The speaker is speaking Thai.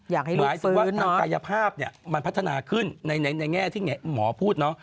อยากให้รูปฟื้นหมายถึงว่ากายภาพมันพัฒนาขึ้นในแง่ที่หมอพูด